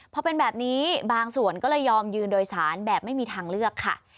พอเป็นแบบนี้บางส่วนก็เลยยอมยืนโดยสารแบบไม่มีทางเลือกค่ะ